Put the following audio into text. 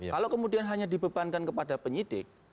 kalau kemudian hanya dibebankan kepada penyidik